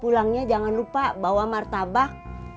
pulangnya jangan lupa bawa martabak